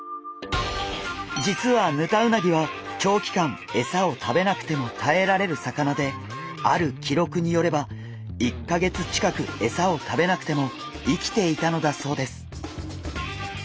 実はヌタウナギは長期間エサを食べなくてもたえられる魚である記録によれば１か月近くエサを食べなくても生きていたのだそうです！